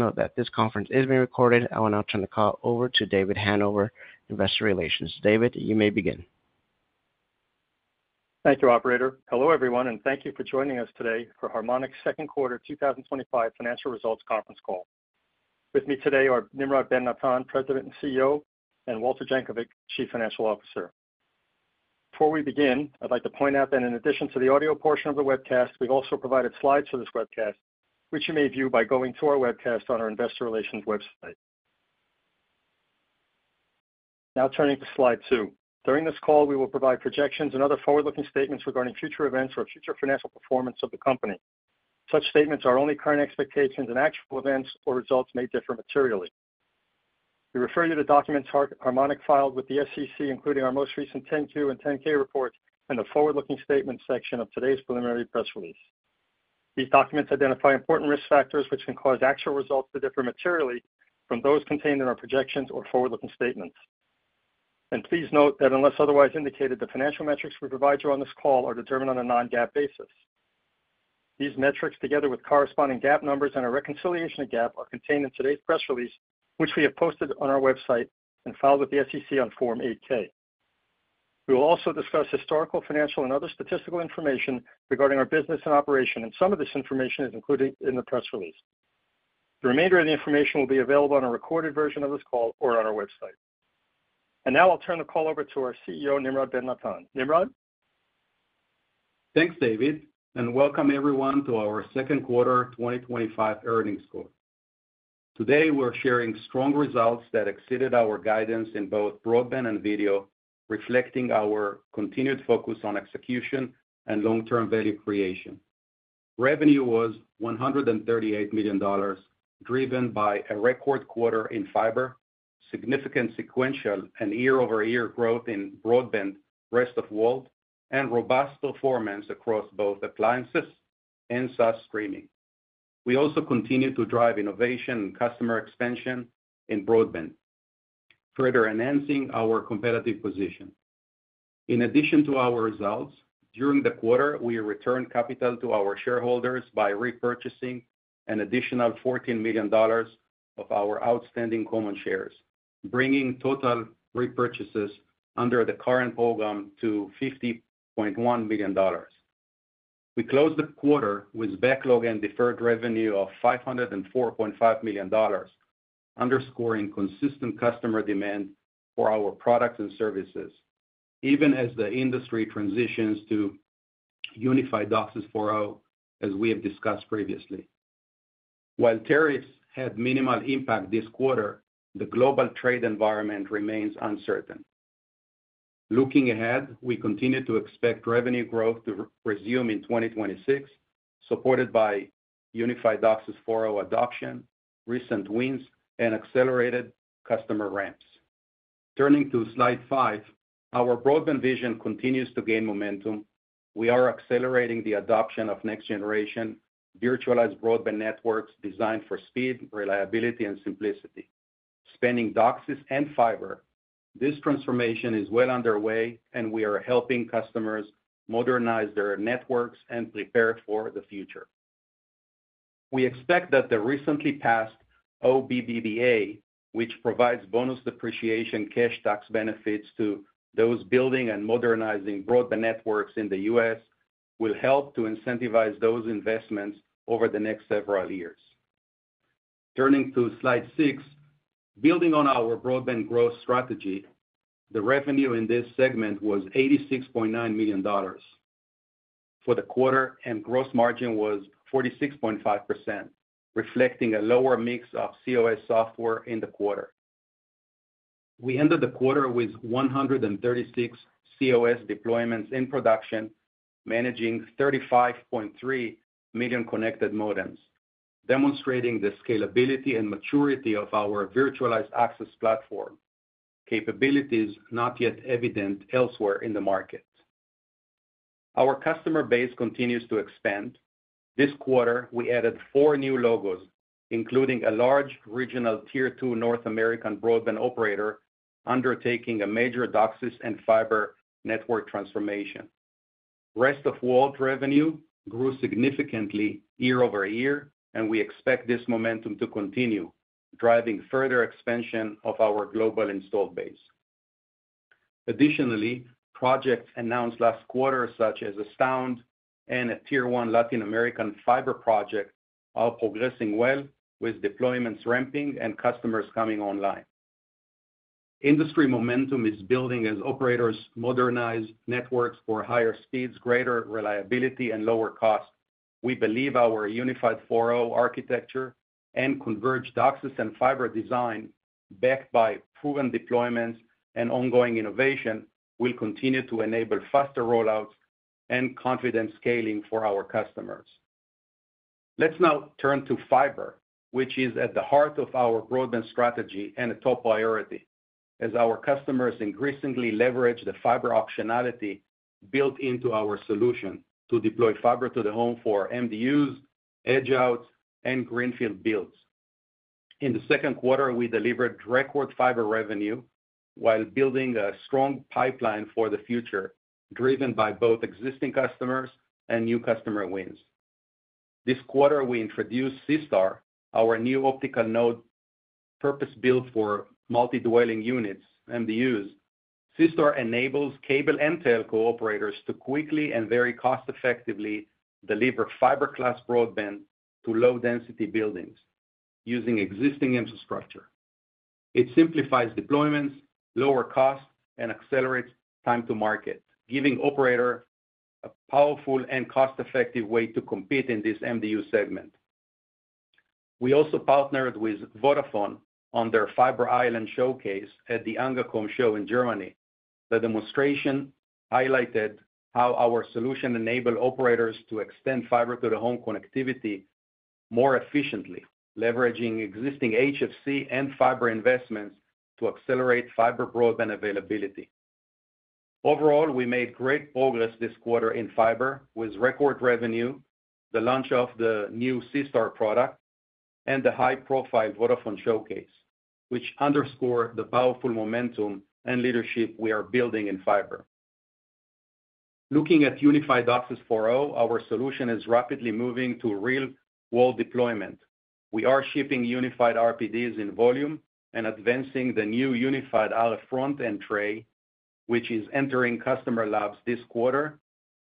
Note that this conference is being recorded. I will now turn the call over to David Hanover, Investor Relations. David, you may begin. Thank you, Operator. Hello everyone, and thank you for joining us today for Harmonic's Second Quarter 2025 Financial Results Conference Call. With me today are Nimrod Ben-Natan, President and CEO, and Walter Jankovic, Chief Financial Officer. Before we begin, I'd like to point out that in addition to the audio portion of the webcast, we've also provided slides for this webcast, which you may view by going to our webcast on our Investor Relations website. Now turning to slide two. During this call, we will provide projections and other forward-looking statements regarding future events or future financial performance of the company. Such statements are only current expectations, and actual events or results may differ materially. We refer you to the documents Harmonic filed with the SEC, including our most recent 10-Q and 10-K reports and the forward-looking statements section of today's preliminary press release. These documents identify important risk factors which can cause actual results to differ materially from those contained in our projections or forward-looking statements. Please note that unless otherwise indicated, the financial metrics we provide you on this call are determined on a non-GAAP basis. These metrics, together with corresponding GAAP numbers and a reconciliation of GAAP, are contained in today's press release, which we have posted on our website and filed with the SEC on Form 8-K. We will also discuss historical, financial, and other statistical information regarding our business and operation, and some of this information is included in the press release. The remainder of the information will be available in a recorded version of this call or on our website. Now I'll turn the call over to our CEO, Nimrod Ben-Natan. Nimrod? Thanks, David, and welcome everyone to our second quarter 2025 earnings call. Today, we're sharing strong results that exceeded our guidance in both broadband and video, reflecting our continued focus on execution and long-term value creation. Revenue was $138 million, driven by a record quarter in fiber, significant sequential and year-over-year growth in broadband, rest-of-the-world, and robust performance across both appliances and SaaS streaming. We also continue to drive innovation and customer expansion in broadband, further enhancing our competitive position. In addition to our results, during the quarter, we returned capital to our shareholders by repurchasing an additional $14 million of our outstanding common shares, bringing total repurchases under the current program to $50.1 million. We closed the quarter with backlog and deferred revenue of $504.5 million, underscoring consistent customer demand for our products and services, even as the industry transitions to unified DOCSIS 4.0 as we have discussed previously. While tariffs had minimal impact this quarter, the global trade environment remains uncertain. Looking ahead, we continue to expect revenue growth to resume in 2026, supported by unified DOCSIS 4.0 adoption, recent wins, and accelerated customer ramps. Turning to slide five, our broadband vision continues to gain momentum. We are accelerating the adoption of next-generation virtualized broadband networks designed for speed, reliability, and simplicity, spanning DOCSIS and fiber. This transformation is well underway, and we are helping customers modernize their networks and prepare for the future. We expect that the recently passed OBBBA, which provides bonus depreciation cash tax benefits to those building and modernizing broadband networks in the U.S., will help to incentivize those investments over the next several years. Turning to slide six, building on our broadband growth strategy, the revenue in this segment was $86.9 million for the quarter, and gross margin was 46.5%, reflecting a lower mix of COS software in the quarter. We ended the quarter with 136 COS deployments in production, managing 35.3 million connected modems, demonstrating the scalability and maturity of our virtualized access platform, capabilities not yet evident elsewhere in the market. Our customer base continues to expand. This quarter, we added four new logos, including a large regional Tier two North American broadband operator, undertaking a major DOCSIS and fiber network transformation. Rest of world revenue grew significantly year-over-year, and we expect this momentum to continue, driving further expansion of our global installed base. Additionally, projects announced last quarter, such as Astound and a Tier one Latin American fiber project, are progressing well, with deployments ramping and customers coming online. Industry momentum is building as operators modernize networks for higher speeds, greater reliability, and lower costs. We believe our unified 4.0 architecture and converged DOCSIS and fiber design, backed by proven deployments and ongoing innovation, will continue to enable faster rollouts and confident scaling for our customers. Let's now turn to fiber, which is at the heart of our broadband strategy and a top priority, as our customers increasingly leverage the fiber optionality built into our solution to deploy fiber to the home for MDUs, Edge-out, and Greenfield builds. In the second quarter, we delivered record fiber revenue while building a strong pipeline for the future, driven by both existing customers and new customer wins. This quarter, we introduced C-Star, our new optical node purpose-built for multi-dwelling units, MDUs. C-Star enables cable and telco operators to quickly and very cost-effectively deliver fiber-class broadband to low-density buildings using existing infrastructure. It simplifies deployments, lowers costs, and accelerates time-to-market, giving operators a powerful and cost-effective way to compete in this MDU segment. We also partnered with Vodafone on their Fiber Island showcase at the ANGA COM show in Germany. The demonstration highlighted how our solution enables operators to extend fiber-to-the-home connectivity more efficiently, leveraging existing HFC and fiber investments to accelerate fiber broadband availability. Overall, we made great progress this quarter in fiber, with record revenue, the launch of the new C-Star product, and the high-profile Vodafone showcase, which underscores the powerful momentum and leadership we are building in fiber. Looking at unified DOCSIS 4.0, our solution is rapidly moving to real-world deployment. We are shipping unified RPDs in volume and advancing the new unified RF front-end tray, which is entering customer labs this quarter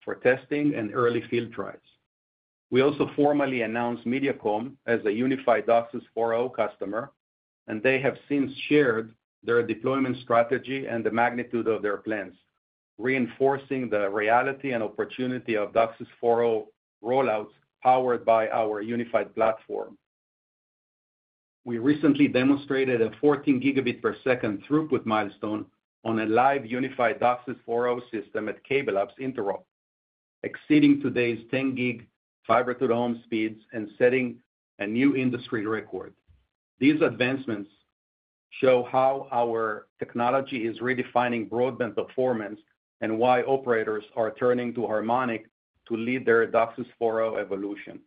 for testing and early field trials. We also formally announced Mediacom as a unified DOCSIS 4.0 customer, and they have since shared their deployment strategy and the magnitude of their plans, reinforcing the reality and opportunity of DOCSIS 4.0 rollouts powered by our unified platform. We recently demonstrated a 14 Gbps throughput milestone on a live unified DOCSIS 4.0 system at CableLabs Interop, exceeding today's 10 gig fiber-to-the-home speeds and setting a new industry record. These advancements show how our technology is redefining broadband performance and why operators are turning to Harmonic to lead their DOCSIS 4.0 evolution.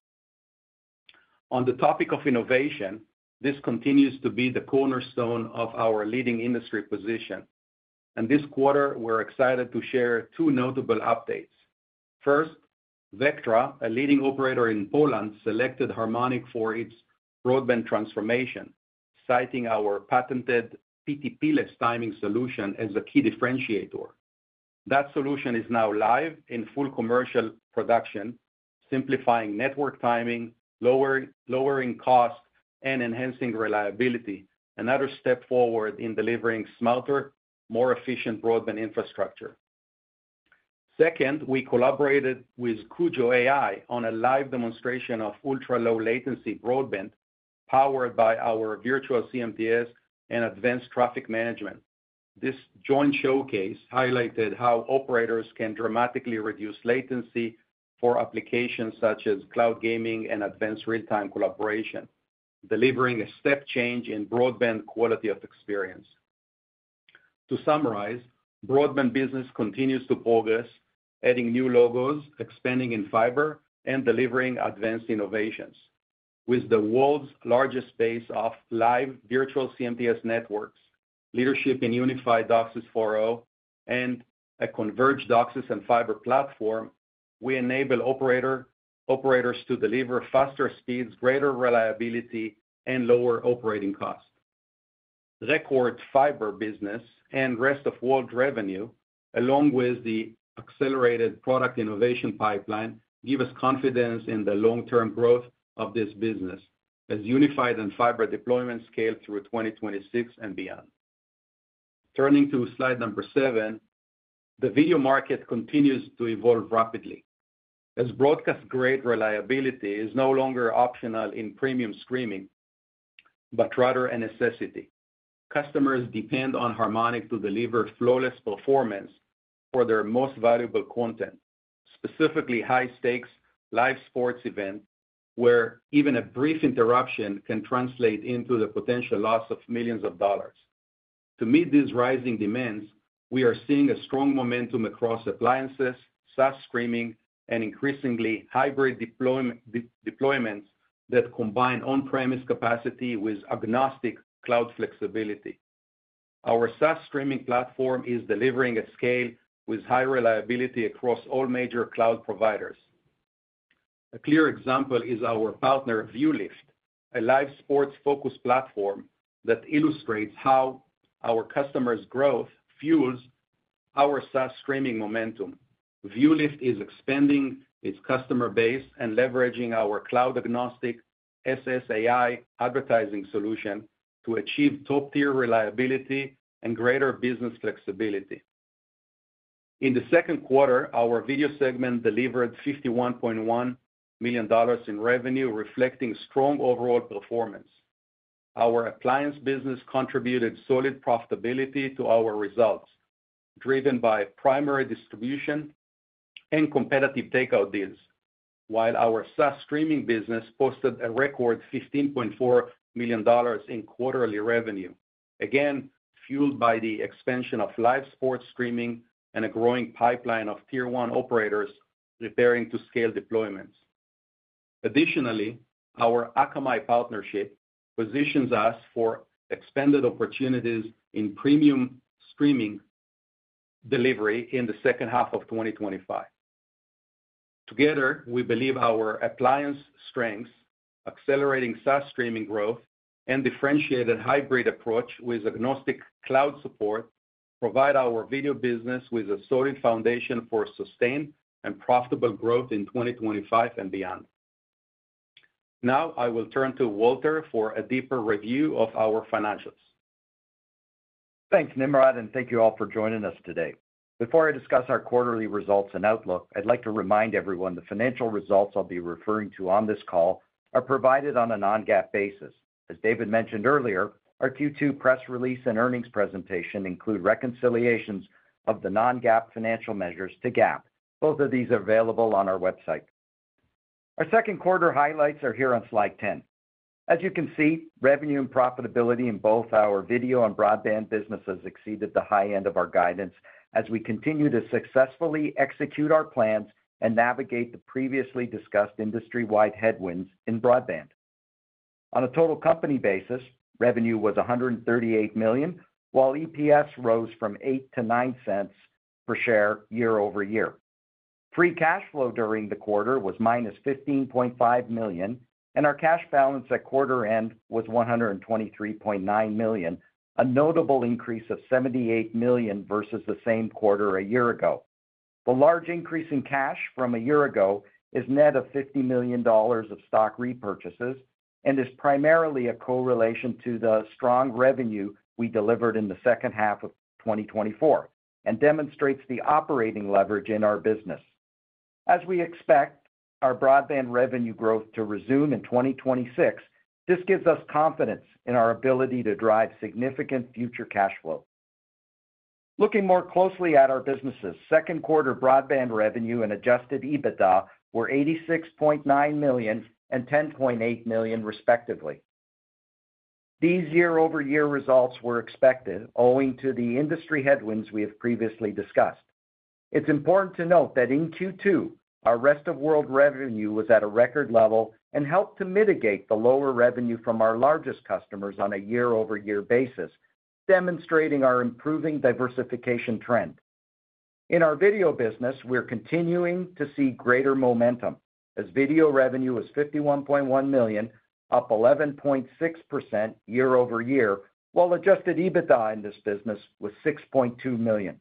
On the topic of innovation, this continues to be the cornerstone of our leading industry position. This quarter, we're excited to share two notable updates. First, Vectra, a leading operator in Poland, selected Harmonic for its broadband transformation, citing our patented PTP-less timing solution as a key differentiator. That solution is now live in full commercial production, simplifying network timing, lowering costs, and enhancing reliability, another step forward in delivering smarter, more efficient broadband infrastructure. Second, we collaborated with CUJO AI on a live demonstration of ultra-low latency broadband powered by our virtual CMTS and advanced traffic management. This joint showcase highlighted how operators can dramatically reduce latency for applications such as cloud gaming and advanced real-time collaboration, delivering a step change in broadband quality of experience. To summarize, broadband business continues to progress, adding new logos, expanding in fiber, and delivering advanced innovations. With the world's largest base of live virtual CMTS networks, leadership in unified DOCSIS 4.0, and a converged DOCSIS and fiber platform, we enable operators to deliver faster speeds, greater reliability, and lower operating costs. Record fiber business and rest of world revenue, along with the accelerated product innovation pipeline, give us confidence in the long-term growth of this business as unified and fiber deployments scale through 2026 and beyond. Turning to slide number seven, the video market continues to evolve rapidly. As broadcast-grade reliability is no longer optional in premium streaming, but rather a necessity, customers depend on Harmonic to deliver flawless performance for their most valuable content, specifically high-stakes live sports events where even a brief interruption can translate into the potential loss of millions of dollars. To meet these rising demands, we are seeing strong momentum across appliances, SaaS streaming, and increasingly hybrid deployments that combine on-premise capacity with cloud-agnostic flexibility. Our SaaS streaming platform is delivering at scale with high reliability across all major cloud providers. A clear example is our partner, Vuelift, a live sports-focused platform that illustrates how our customers' growth fuels our SaaS streaming momentum. Vuelift is expanding its customer base and leveraging our cloud-agnostic SSAI advertising solution to achieve top-tier reliability and greater business flexibility. In the second quarter, our video segment delivered $51.1 million in revenue, reflecting strong overall performance. Our appliance business contributed solid profitability to our results, driven by primary distribution and competitive takeout deals, while our SaaS streaming business posted a record $15.4 million in quarterly revenue, again fueled by the expansion of live sports streaming and a growing pipeline of Tier one operators preparing to scale deployments. Additionally, our Akamai partnership positions us for expanded opportunities in premium streaming delivery in the second half of 2025. Together, we believe our appliance strength, accelerating SaaS streaming growth, and differentiated hybrid approach with cloud-agnostic support provide our video business with a solid foundation for sustained and profitable growth in 2025 and beyond. Now, I will turn to Walter for a deeper review of our financials. Thanks, Nimrod, and thank you all for joining us today. Before I discuss our quarterly results and outlook, I'd like to remind everyone the financial results I'll be referring to on this call are provided on a non-GAAP basis. As David mentioned earlier, our Q2 press release and earnings presentation include reconciliations of the non-GAAP financial measures to GAAP. Both of these are available on our website. Our second quarter highlights are here on slide 10. As you can see, revenue and profitability in both our video and broadband businesses exceeded the high end of our guidance as we continue to successfully execute our plans and navigate the previously discussed industry-wide headwinds in broadband. On a total company basis, revenue was $138 million, while EPS rose from $0.08-$0.09 per share year-over-year. Free cash flow during the quarter was -$15.5 million, and our cash balance at quarter end was $123.9 million, a notable increase of $78 million versus the same quarter a year ago. The large increase in cash from a year ago is net of $50 million of stock repurchases and is primarily a correlation to the strong revenue we delivered in the second half of 2024 and demonstrates the operating leverage in our business. As we expect our broadband revenue growth to resume in 2026, this gives us confidence in our ability to drive significant future cash flow. Looking more closely at our businesses, second quarter broadband revenue and adjusted EBITDA were $86.9 million and $10.8 million, respectively. These year-over-year results were expected, owing to the industry headwinds we have previously discussed. It's important to note that in Q2, our rest-of-world revenue was at a record level and helped to mitigate the lower revenue from our largest customers on a year-over-year basis, demonstrating our improving diversification trend. In our video business, we're continuing to see greater momentum as video revenue was $51.1 million, up 11.6% year-over-year, while adjusted EBITDA in this business was $6.2 million.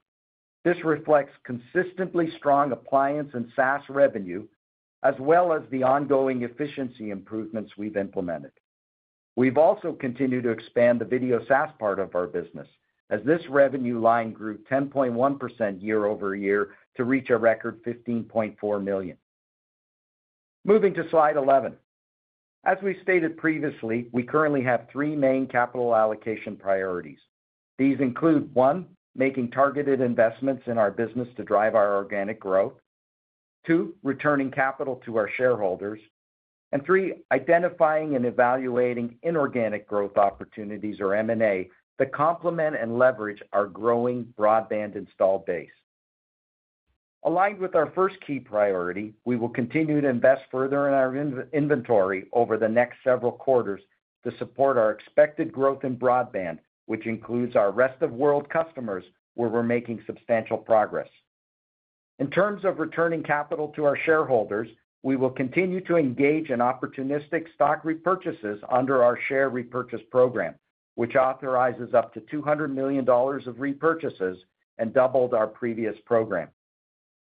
This reflects consistently strong appliance and SaaS revenue, as well as the ongoing efficiency improvements we've implemented. We've also continued to expand the video SaaS part of our business as this revenue line grew 10.1% year-over-year to reach a record $15.4 million. Moving to slide 11. As we've stated previously, we currently have three main capital allocation priorities. These include: one, making targeted investments in our business to drive our organic growth; two, returning capital to our shareholders; and three, identifying and evaluating inorganic growth opportunities, or M&A, that complement and leverage our growing broadband installed base. Aligned with our first key priority, we will continue to invest further in our inventory over the next several quarters to support our expected growth in broadband, which includes our rest-of-world customers, where we're making substantial progress. In terms of returning capital to our shareholders, we will continue to engage in opportunistic stock repurchases under our share repurchase program, which authorizes up to $200 million of repurchases and doubled our previous program.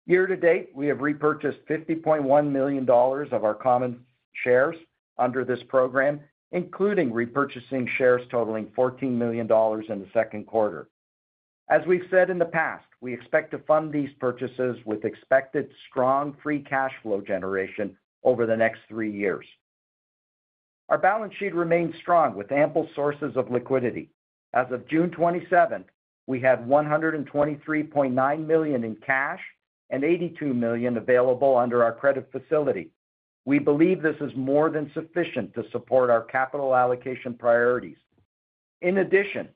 Year-to-date, we have repurchased $50.1 million of our common shares under this program, including repurchasing shares totaling $14 million in the second quarter. As we've said in the past, we expect to fund these purchases with expected strong free cash flow generation over the next three years. Our balance sheet remains strong with ample sources of liquidity. As of June 27, we had $123.9 million in cash and $82 million available under our credit facility. We believe this is more than sufficient to support our capital allocation priorities. In addition,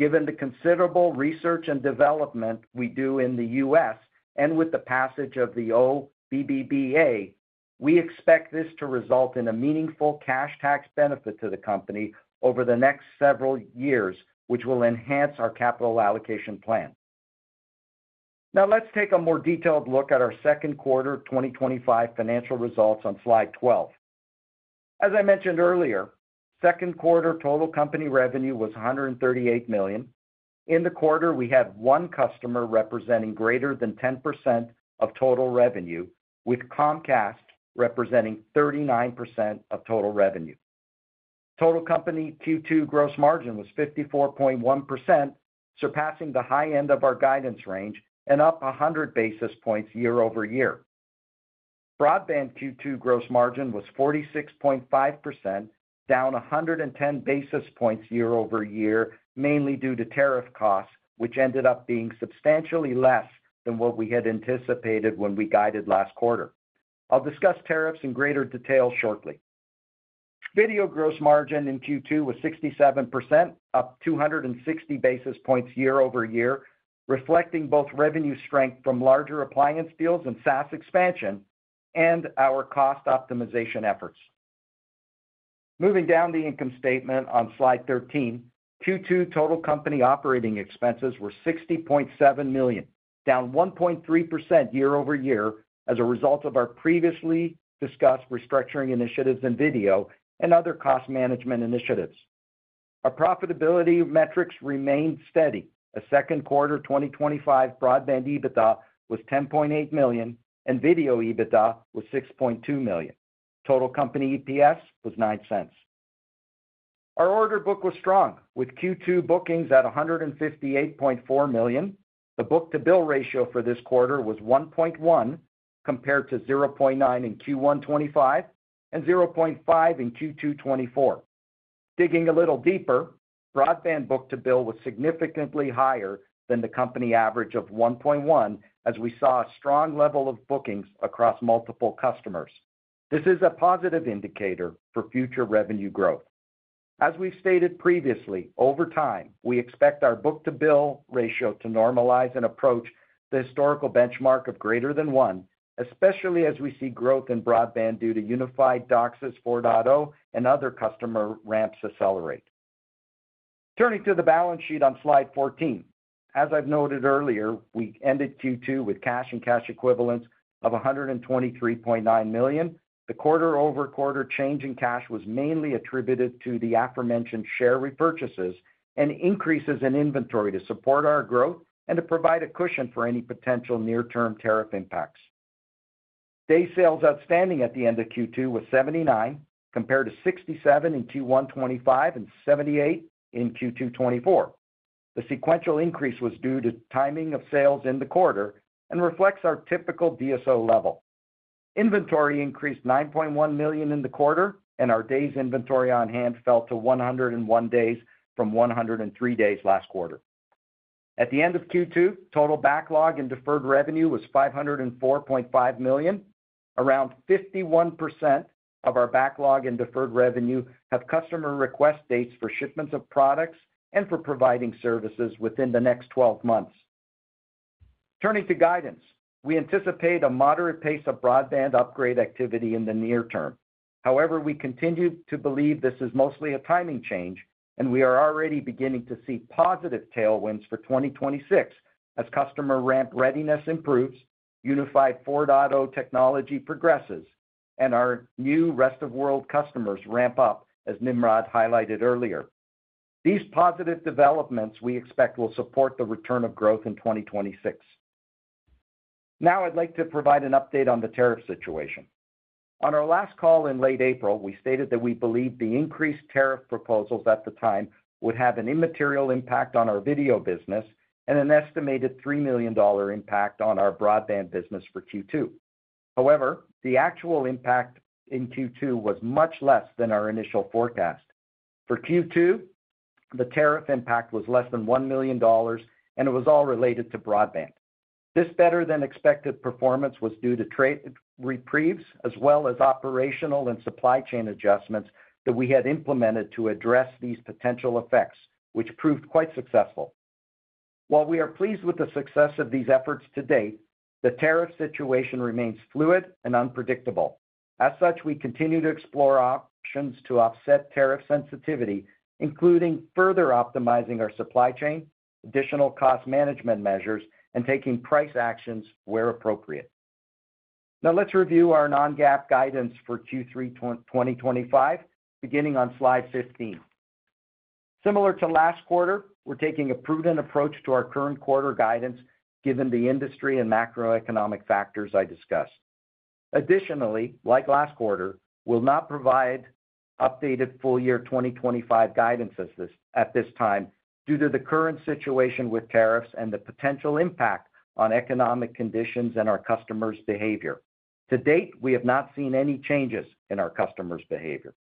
given the considerable research and development we do in the U.S. and with the passage of the OBBBA, we expect this to result in a meaningful cash tax benefit to the company over the next several years, which will enhance our capital allocation plan. Now let's take a more detailed look at our second quarter 2025 financial results on slide 12. As I mentioned earlier, second quarter total company revenue was $138 million. In the quarter, we had one customer representing greater than 10% of total revenue, with Comcast representing 39% of total revenue. Total company Q2 gross margin was 54.1%, surpassing the high end of our guidance range and up 100 basis points year-over-year. Broadband Q2 gross margin was 46.5%, down 110 basis points year-over-year, mainly due to tariff costs, which ended up being substantially less than what we had anticipated when we guided last quarter. I'll discuss tariffs in greater detail shortly. Video gross margin in Q2 was 67%, up 260 basis points year-over-year, reflecting both revenue strength from larger appliance deals and SaaS expansion and our cost optimization efforts. Moving down the income statement on slide 13, Q2 total company operating expenses were $60.7 million, down 1.3% year-over-year as a result of our previously discussed restructuring initiatives in video and other cost management initiatives. Our profitability metrics remained steady. A second quarter 2025 broadband EBITDA was $10.8 million and video EBITDA was $6.2 million. Total company EPS was $0.09. Our order book was strong, with Q2 bookings at $158.4 million. The book-to-bill ratio for this quarter was 1.1, compared to 0.9 in Q1 2025 and 0.5 in Q2 2024. Digging a little deeper, broadband book-to-bill was significantly higher than the company average of 1.1, as we saw a strong level of bookings across multiple customers. This is a positive indicator for future revenue growth. As we've stated previously, over time, we expect our book-to-bill ratio to normalize and approach the historical benchmark of greater than one, especially as we see growth in broadband due to unified DOCSIS 4.0 and other customer ramps accelerate. Turning to the balance sheet on slide 14, as I've noted earlier, we ended Q2 with cash and cash equivalents of $123.9 million. The quarter-over-quarter change in cash was mainly attributed to the aforementioned share repurchases and increases in inventory to support our growth and to provide a cushion for any potential near-term tariff impacts. Day sales outstanding at the end of Q2 was 79, compared to 67 in Q1 2025 and 78 in Q2 2024. The sequential increase was due to timing of sales in the quarter and reflects our typical DSO level. Inventory increased $9.1 million in the quarter, and our days inventory on hand fell to 101 days from 103 days last quarter. At the end of Q2, total backlog and deferred revenue was $504.5 million. Around 51% of our backlog and deferred revenue have customer request dates for shipments of products and for providing services within the next 12 months. Turning to guidance, we anticipate a moderate pace of broadband upgrade activity in the near term. However, we continue to believe this is mostly a timing change, and we are already beginning to see positive tailwinds for 2026 as customer ramp readiness improves, unified DOCSIS 4.0 technology progresses, and our new rest-of-world customers ramp up, as Nimrod highlighted earlier. These positive developments we expect will support the return of growth in 2026. Now I'd like to provide an update on the tariff situation. On our last call in late April, we stated that we believed the increased tariff proposals at the time would have an immaterial impact on our video business and an estimated $3 million impact on our broadband business for Q2. However, the actual impact in Q2 was much less than our initial forecast. For Q2, the tariff impact was less than $1 million, and it was all related to broadband. This better-than-expected performance was due to trade reprieves, as well as operational and supply chain adjustments that we had implemented to address these potential effects, which proved quite successful. While we are pleased with the success of these efforts to date, the tariff situation remains fluid and unpredictable. As such, we continue to explore options to offset tariff sensitivity, including further optimizing our supply chain, additional cost management measures, and taking price actions where appropriate. Now let's review our non-GAAP guidance for Q3 2025, beginning on slide 15. Similar to last quarter, we're taking a prudent approach to our current quarter guidance, given the industry and macroeconomic factors I discussed. Additionally, like last quarter, we'll not provide updated full-year 2025 guidance at this time due to the current situation with tariffs and the potential impact on economic conditions and our customers' behavior. To date, we have not seen any changes in our customers' behavior.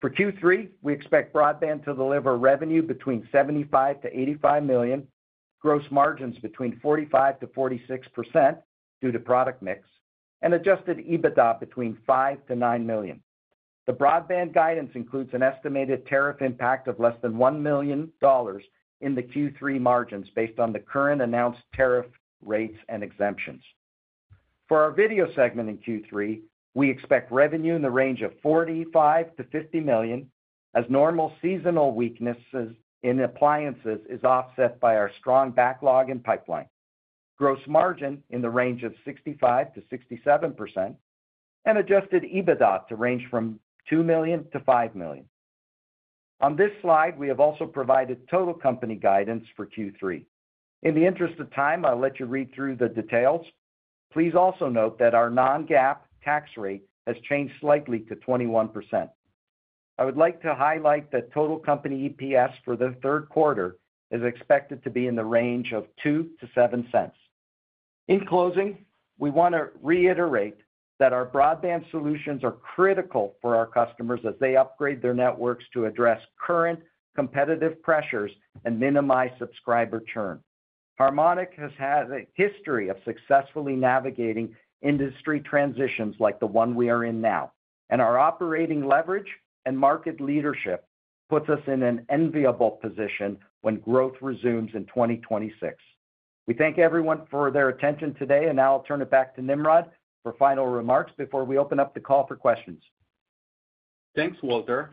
For Q3, we expect broadband to deliver revenue between $75 million-$85 million, gross margins between 45%-46% due to product mix, and adjusted EBITDA between $5 million-$9 million. The broadband guidance includes an estimated tariff impact of less than $1 million in the Q3 margins based on the current announced tariff rates and exemptions. For our video segment in Q3, we expect revenue in the range of $45 million-$50 million, as normal seasonal weaknesses in appliances are offset by our strong backlog and pipeline. Gross margin in the range of 65%-67%, and adjusted EBITDA to range from $2 million-$5 million. On this slide, we have also provided total company guidance for Q3. In the interest of time, I'll let you read through the details. Please also note that our non-GAAP tax rate has changed slightly to 21%. I would like to highlight that total company EPS for the third quarter is expected to be in the range of $0.02-$0.07. In closing, we want to reiterate that our broadband solutions are critical for our customers as they upgrade their networks to address current competitive pressures and minimize subscriber churn. Harmonic has had a history of successfully navigating industry transitions like the one we are in now, and our operating leverage and market leadership puts us in an enviable position when growth resumes in 2026. We thank everyone for their attention today, and now I'll turn it back to Nimrod for final remarks before we open up the call for questions. Thanks, Walter.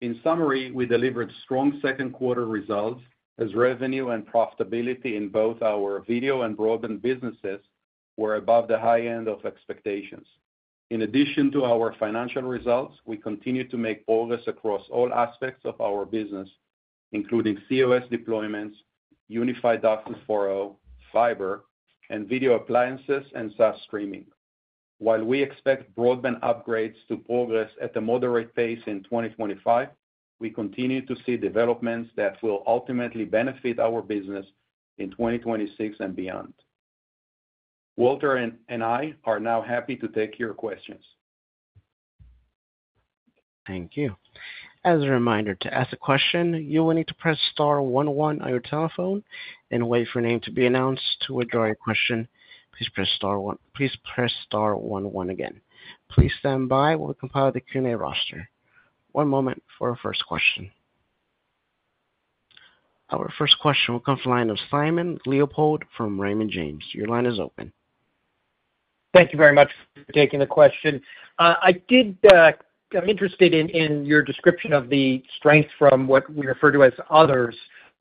In summary, we delivered strong second quarter results as revenue and profitability in both our video and broadband businesses were above the high end of expectations. In addition to our financial results, we continue to make progress across all aspects of our business, including COS deployments, unified DOCSIS 4.0, fiber, and video appliances and SaaS streaming. While we expect broadband upgrades to progress at a moderate pace in 2025, we continue to see developments that will ultimately benefit our business in 2026 and beyond. Walter and I are now happy to take your questions. Thank you. As a reminder, to ask a question, you will need to press star one one on your telephone and wait for your name to be announced. To withdraw your question, please press star one one again. Please stand by while we compile the Q&A roster. One moment for our first question. Our first question will come from the line of Simon Leopold from Raymond James. Your line is open. Thank you very much for taking the question. I'm interested in your description of the strengths from what we refer to as others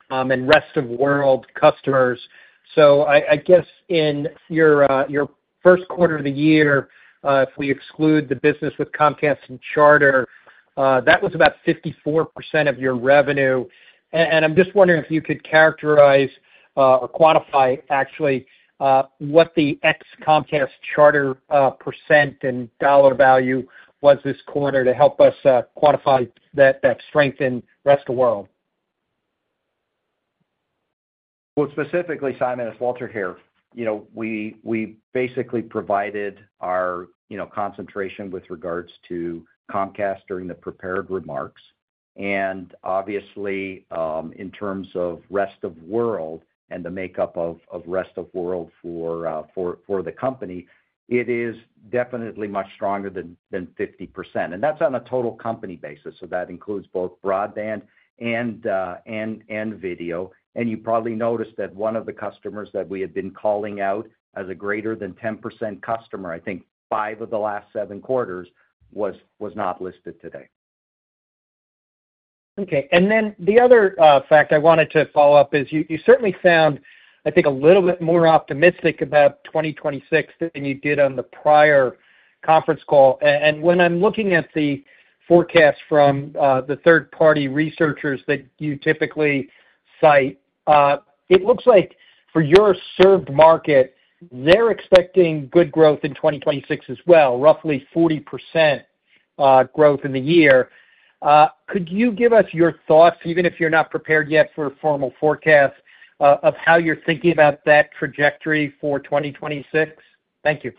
and rest-of-world customers. I guess in your first quarter of the year, if we exclude the business with Comcast and Charter, that was about 54% of your revenue. I'm just wondering if you could characterize or quantify, actually, what the ex-Comcast Charter percent and dollar value was this quarter to help us quantify that strength in rest of world. Specifically, Simon, it's Walter here. We basically provided our concentration with regards to Comcast during the prepared remarks. Obviously, in terms of rest-of-world and the makeup of rest-of-world for the company, it is definitely much stronger than 50%. That's on a total company basis, so that includes both broadband and video. You probably noticed that one of the customers that we had been calling out as a greater-than-10% customer, I think five of the last seven quarters, was not listed today. Okay. The other fact I wanted to follow-up is you certainly sound, I think, a little bit more optimistic about 2026 than you did on the prior conference call. When I'm looking at the forecast from the third-party researchers that you typically cite, it looks like for your served market, they're expecting good growth in 2026 as well, roughly 40% growth in the year. Could you give us your thoughts, even if you're not prepared yet for a formal forecast, of how you're thinking about that trajectory for 2026? Thank you.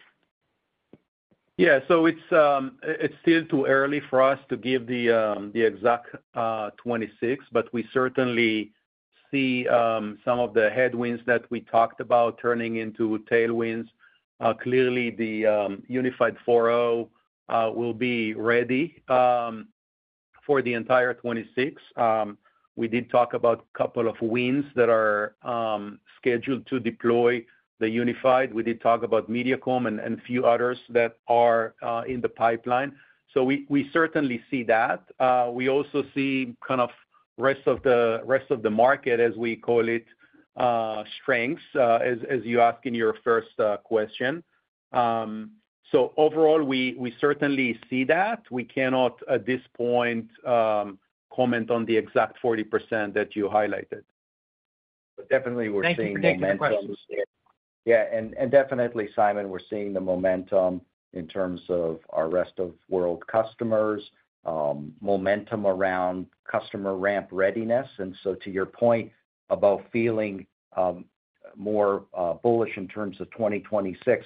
Yeah. It's still too early for us to give the exact 2026, but we certainly see some of the headwinds that we talked about turning into tailwinds. Clearly, the unified 4.0 will be ready for the entire 2026. We did talk about a couple of wins that are scheduled to deploy the unified. We did talk about Mediacom and a few others that are in the pipeline. We certainly see that. We also see kind of the rest of the market, as we call it, strengths, as you asked in your first question. Overall, we certainly see that. We cannot at this point comment on the exact 40% that you highlighted. Definitely, we're seeing the momentum. Yeah. Definitely, Simon, we're seeing the momentum in terms of our rest-of-world customers, momentum around customer ramp readiness. To your point about feeling more bullish in terms of 2026,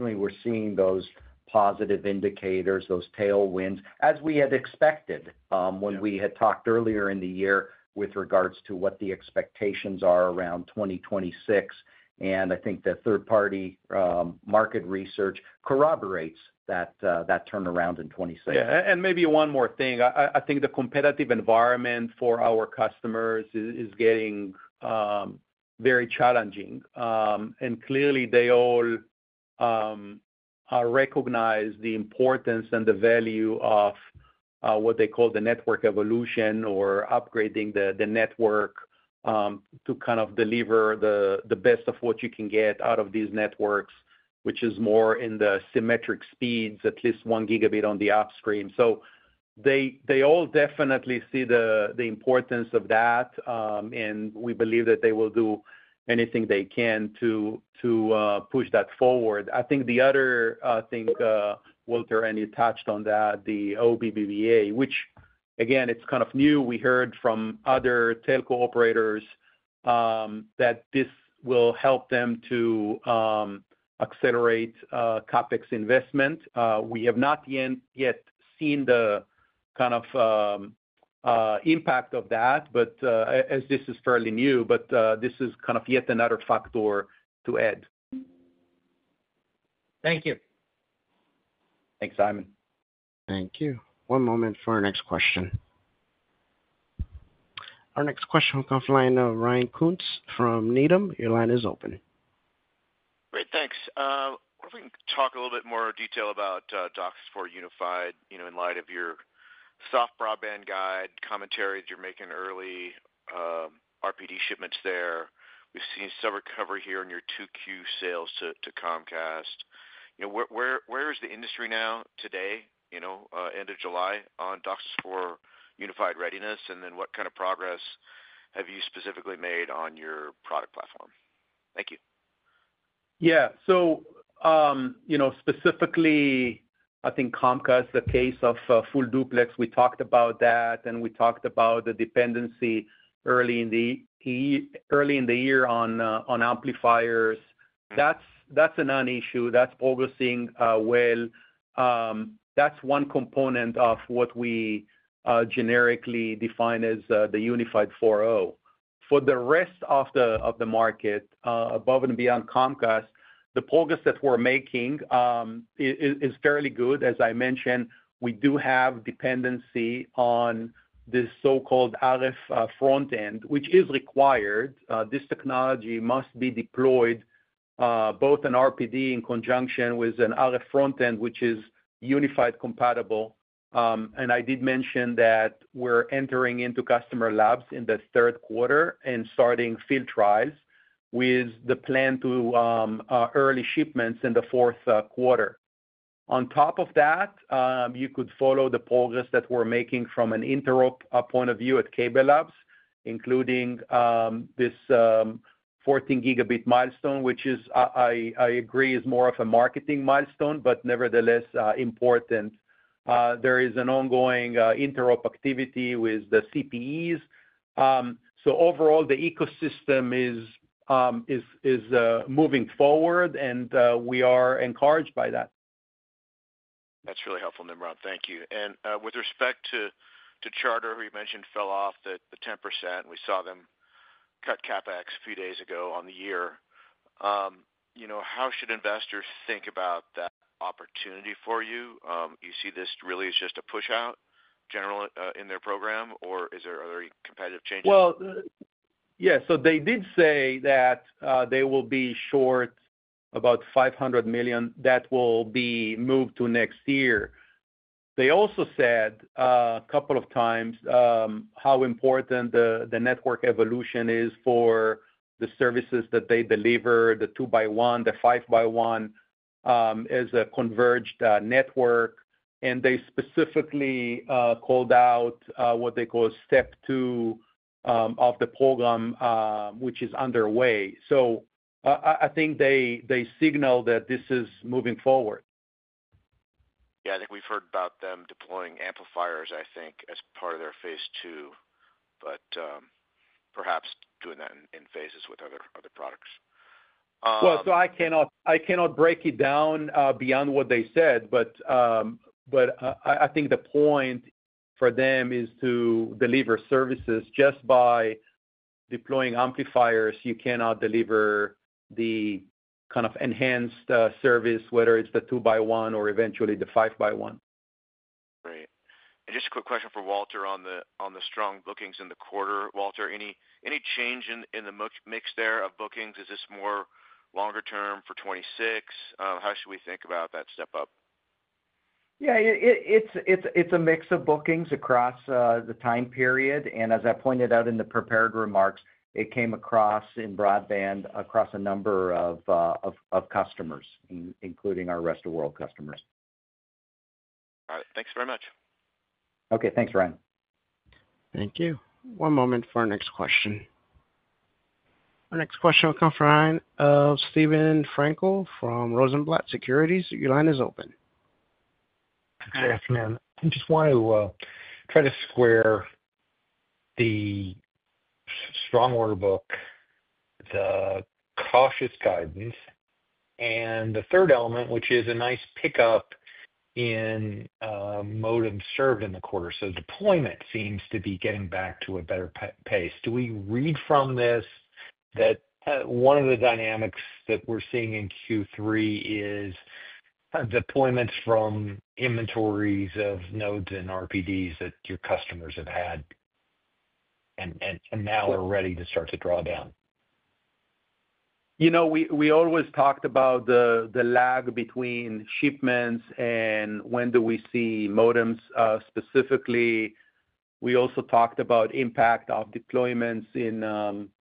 we're seeing those positive indicators, those tailwinds, as we had expected when we had talked earlier in the year with regards to what the expectations are around 2026. I think the third-party market research corroborates that turnaround in 2026. Yeah. Maybe one more thing. I think the competitive environment for our customers is getting very challenging. Clearly, they all recognize the importance and the value of what they call the network evolution or upgrading the network to kind of deliver the best of what you can get out of these networks, which is more in the symmetric speeds, at least one gigabit on the upstream. They all definitely see the importance of that, and we believe that they will do anything they can to push that forward. I think the other thing, Walter, and you touched on that, the OBBBA, which again, it's kind of new. We heard from other telco operators that this will help them to accelerate CapEx investment. We have not yet seen the kind of impact of that, as this is fairly new, but this is kind of yet another factor to add. Thank you. Thanks, Simon. Thank you. One moment for our next question. Our next question will come from the line of Ryan Koontz from Needham. Your line is open. Great. Thanks. If we can talk a little bit more in detail about DOCSIS 4.0 unified, you know, in light of your soft broadband guide, commentary that you're making early, RPD shipments there. We've seen some recovery here in your 2Q sales to Comcast. You know, where is the industry now today, you know, end of July on DOCSIS 4.0 unified readiness? What kind of progress have you specifically made on your product platform? Thank you. Yeah. Specifically, I think Comcast, the case of Full Duplex, we talked about that, and we talked about the dependency early in the year on amplifiers. That's a non-issue. That's progressing well. That's one component of what we generically define as the unified 4.0. For the rest of the market, above and beyond Comcast, the progress that we're making is fairly good. As I mentioned, we do have dependency on the so-called RF front end, which is required. This technology must be deployed both in RPD in conjunction with an RF front end, which is unified compatible. I did mention that we're entering into customer labs in the third quarter and starting field trials with the plan to early shipments in the fourth quarter. On top of that, you could follow the progress that we're making from an interop point of view at CableLabs, including this 14 Gb milestone, which is, I agree, is more of a marketing milestone, but nevertheless important. There is an ongoing interop activity with the CPEs. Overall, the ecosystem is moving forward, and we are encouraged by that. That's really helpful, Nimrod. Thank you. With respect to Charter, who you mentioned fell off the 10%, and we saw them cut CapEx a few days ago on the year, how should investors think about that opportunity for you? Do you see this really as just a push-out, generally, in their program, or are there any competitive changes? They did say that they will be short about $500 million. That will be moved to next year. They also said a couple of times how important the network evolution is for the services that they deliver, the two-by-one, the five-by-one as a converged network. They specifically called out what they call step two of the program, which is underway. I think they signal that this is moving forward. I think we've heard about them deploying amplifiers, I think, as part of their phase II, but perhaps doing that in phases with other products. I cannot break it down beyond what they said, but I think the point for them is to deliver services. Just by deploying amplifiers, you cannot deliver the kind of enhanced service, whether it's the two-by-one or eventually the five-by-one. Right. Just a quick question for Walter on the strong bookings in the quarter. Walter, any change in the mix there of bookings? Is this more longer term for 2026? How should we think about that step-up? Yeah, it's a mix of bookings across the time period. As I pointed out in the prepared remarks, it came across in broadband across a number of customers, including our rest-of-world customers. All right. Thanks very much. Okay. Thanks, Ryan. Thank you. One moment for our next question. Our next question will come from the line of Steven Frankel from Rosenblatt Securities. Your line is open. Yes, ma'am. I just want to try to square the strong order book, the cautious guidance, and the third element, which is a nice pickup in modems served in the quarter. Deployment seems to be getting back to a better pace. Do we read from this that one of the dynamics that we're seeing in Q3 is kind of deployments from inventories of nodes and RPDs that your customers have had and now are ready to start to draw down? You know, we always talked about the lag between shipments and when do we see modems specifically. We also talked about the impact of deployments in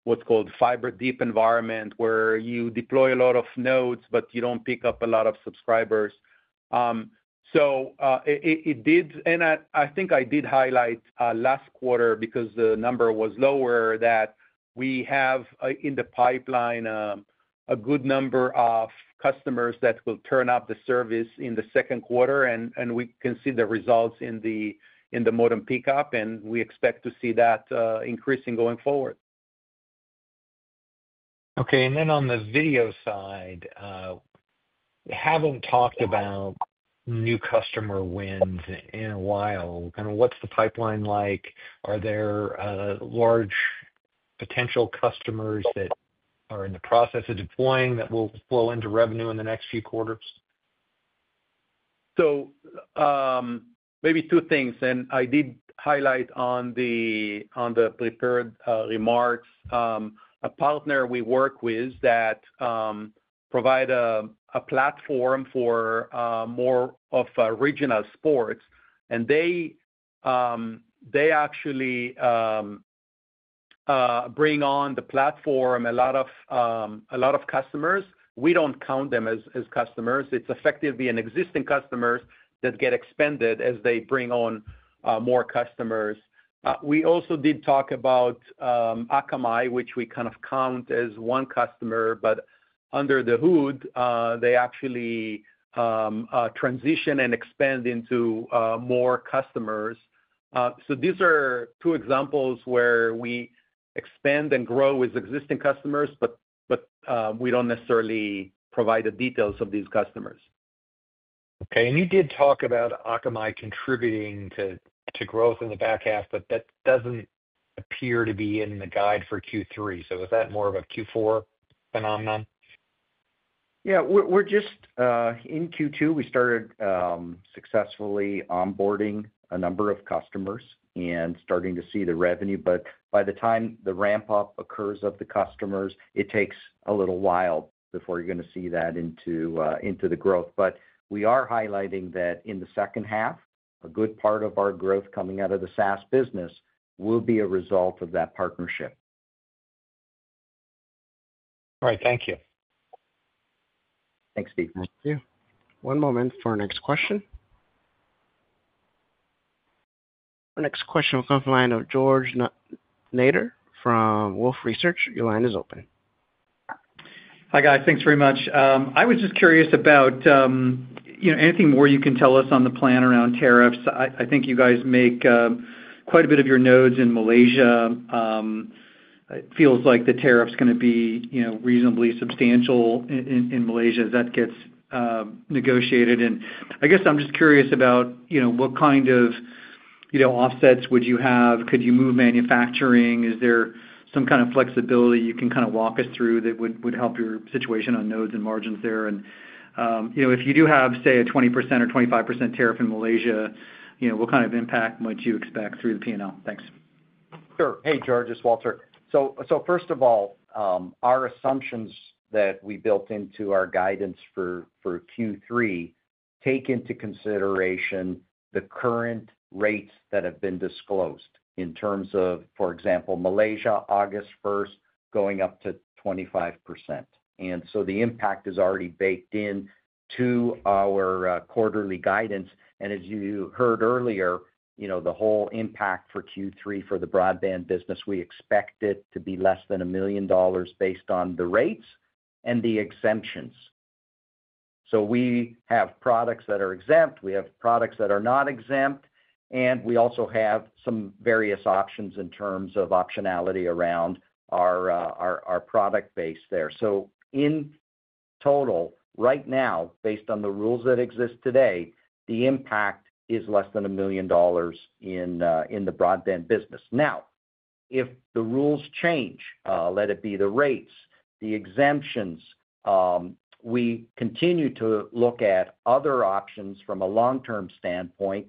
what's called fiber-deep environment, where you deploy a lot of nodes, but you don't pick up a lot of subscribers. It did, and I think I did highlight last quarter because the number was lower, that we have in the pipeline a good number of customers that will turn up the service in the second quarter. We can see the results in the modem pickup, and we expect to see that increasing going forward. Okay. On the video side, we haven't talked about new customer wins in a while. What's the pipeline like? Are there large potential customers that are in the process of deploying that will flow into revenue in the next few quarters? Maybe two things. I did highlight on the prepared remarks a partner we work with that provides a platform for more regional sports. They actually bring on the platform a lot of customers. We don't count them as customers. It's effectively an existing customer that gets expanded as they bring on more customers. We also did talk about Akamai, which we kind of count as one customer, but under the hood, they actually transition and expand into more customers. These are two examples where we expand and grow with existing customers, but we don't necessarily provide the details of these customers. Okay. You did talk about Akamai contributing to growth in the back half, but that doesn't appear to be in the guide for Q3. Is that more of a Q4 phenomenon? Yeah. We're just in Q2. We started successfully onboarding a number of customers and starting to see the revenue. By the time the ramp-up occurs of the customers, it takes a little while before you're going to see that into the growth. We are highlighting that in the second half, a good part of our growth coming out of the SaaS business will be a result of that partnership. All right. Thank you. Thanks, Steve. Thank you. One moment for our next question. Our next question will come from the line of George Notter from Wolfe Research. Your line is open. Hi guys, thanks very much. I was just curious about anything more you can tell us on the plan around tariffs. I think you guys make quite a bit of your nodes in Malaysia. It feels like the tariff's going to be reasonably substantial in Malaysia. That gets negotiated. I'm just curious about what kind of offsets would you have. Could you move manufacturing? Is there some kind of flexibility you can walk us through that would help your situation on nodes and margins there? If you do have, say, a 20%- 25% tariff in Malaysia, what kind of impact might you expect through the P&L? Thanks. Sure. Hey, George, it's Walter. First of all, our assumptions that we built into our guidance for Q3 take into consideration the current rates that have been disclosed in terms of, for example, Malaysia, August 1st, going up to 25%. The impact is already baked into our quarterly guidance. As you heard earlier, the whole impact for Q3 for the broadband business, we expect it to be less than $1 million based on the rates and the exemptions. We have products that are exempt. We have products that are not exempt. We also have some various options in terms of optionality around our product base there. In total, right now, based on the rules that exist today, the impact is less than $1 million in the broadband business. If the rules change, let it be the rates, the exemptions, we continue to look at other options from a long-term standpoint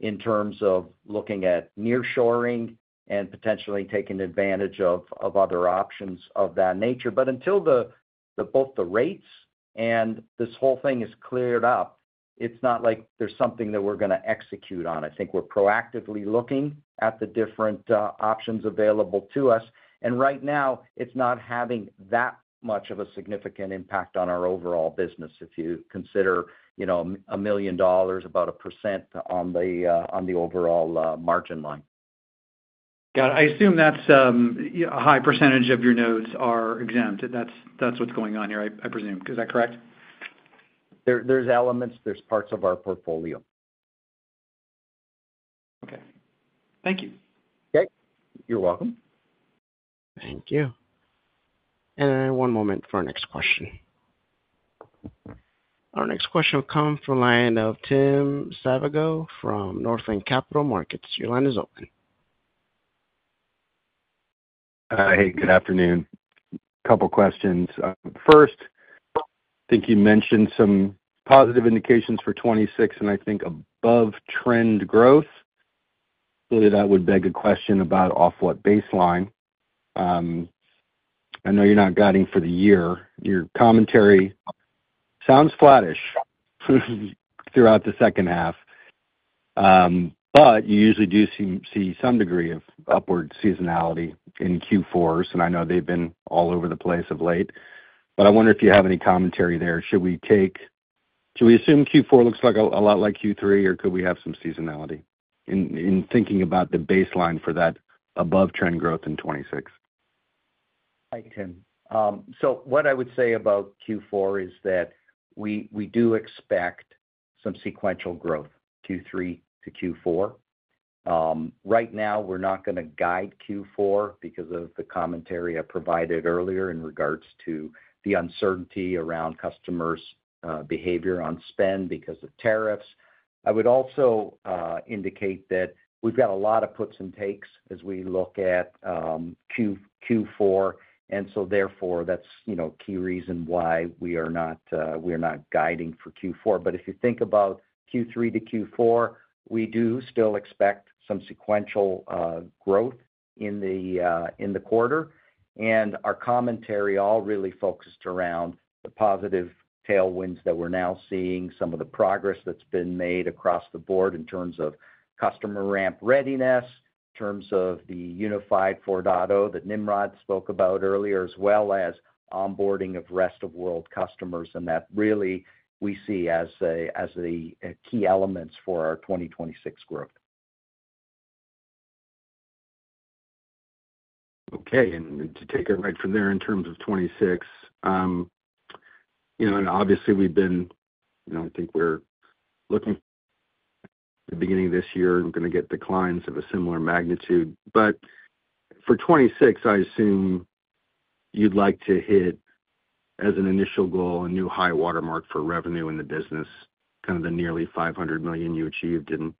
in terms of looking at nearshoring and potentially taking advantage of other options of that nature. Until both the rates and this whole thing is cleared up, it's not like there's something that we're going to execute on. I think we're proactively looking at the different options available to us. Right now, it's not having that much of a significant impact on our overall business if you consider $1 million, about a percent on the overall margin line. Got it. I assume that's a high percentage of your nodes are exempt. That's what's going on here, I presume. Is that correct? There's elements. There are parts of our portfolio. Okay, thank you. Okay, you're welcome. Thank you. One moment for our next question. Our next question will come from the line of Tim Savageaux from Northland Capital Markets. Your line is open. Hey, good afternoon. A couple of questions. First, I think you mentioned some positive indications for 2026, and I think above trend growth. Really, that would beg a question about off what baseline. I know you're not guiding for the year. Your commentary sounds flat-ish throughout the second half. You usually do see some degree of upward seasonality in Q4s, and I know they've been all over the place of late. I wonder if you have any commentary there. Should we take, should we assume Q4 looks a lot like Q3, or could we have some seasonality in thinking about the baseline for that above trend growth in 2026? Thank you, Tim. What I would say about Q4 is that we do expect some sequential growth Q3-Q4. Right now, we're not going to guide Q4 because of the commentary I provided earlier in regards to the uncertainty around customers' behavior on spend because of tariffs. I would also indicate that we've got a lot of puts and takes as we look at Q4, and that's a key reason why we are not guiding for Q4. If you think about Q3-Q4, we do still expect some sequential growth in the quarter. Our commentary all really focused around the positive tailwinds that we're now seeing, some of the progress that's been made across the board in terms of customer ramp readiness, in terms of the unified 4.0 that Nimrod spoke about earlier, as well as onboarding of rest-of-world customers. That really, we see as the key elements for our 2026 growth. Okay. To take it right from there, in terms of 2026, you know, I think we're looking at the beginning of this year, we're going to get declines of a similar magnitude. For 2026, I assume you'd like to hit as an initial goal a new high watermark for revenue in the business, kind of the nearly $500 million you achieved in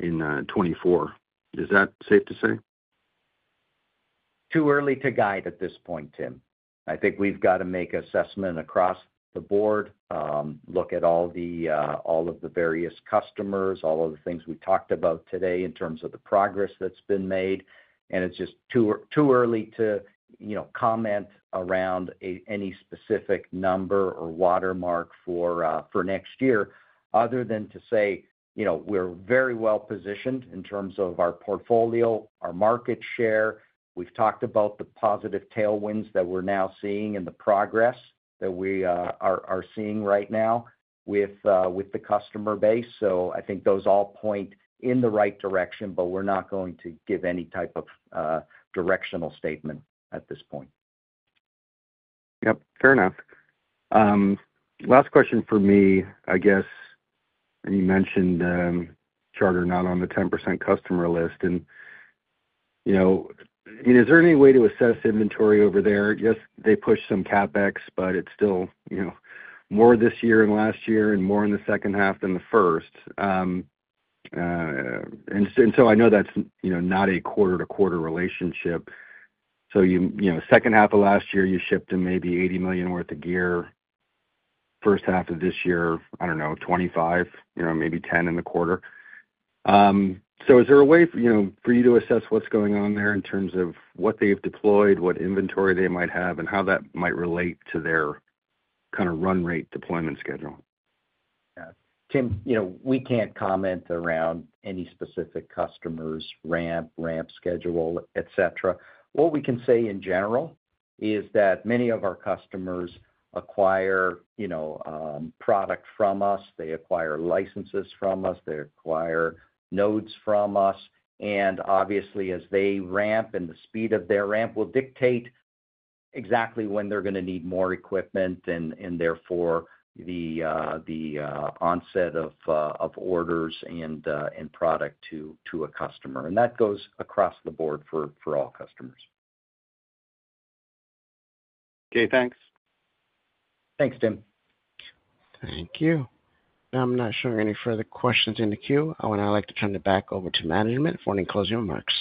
2024. Is that safe to say? Too early to guide at this point, Tim. I think we've got to make an assessment across the board, look at all of the various customers, all of the things we talked about today in terms of the progress that's been made. It's just too early to comment around any specific number or watermark for next year, other than to say we're very well positioned in terms of our portfolio, our market share. We've talked about the positive tailwinds that we're now seeing and the progress that we are seeing right now with the customer base. I think those all point in the right direction, but we're not going to give any type of directional statement at this point. Yep. Fair enough. Last question for me, I guess, and you mentioned Charter not on the 10% customer list. Is there any way to assess inventory over there? Yes, they pushed some CapEx, but it's still more this year than last year and more in the second half than the first. I know that's not a quarter-to-quarter relationship. Second half of last year, you shipped in maybe $80 million worth of gear. First half of this year, I don't know, $25 million, maybe $10 million in the quarter. Is there a way for you to assess what's going on there in terms of what they've deployed, what inventory they might have, and how that might relate to their kind of run rate deployment schedule? Yeah. Tim, you know, we can't comment around any specific customer's ramp, ramp schedule, etc. What we can say in general is that many of our customers acquire, you know, products from us. They acquire licenses from us. They acquire nodes from us. Obviously, as they ramp, the speed of their ramp will dictate exactly when they're going to need more equipment and therefore the onset of orders and product to a customer. That goes across the board for all customers. Okay. Thanks. Thanks, Tim. Thank you. Now I'm not showing any further questions in the queue. I would like to turn it back over to management for any closing remarks.